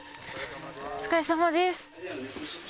お疲れさまです。